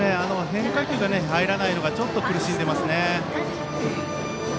変化球が入らないのがちょっと苦しんでますね。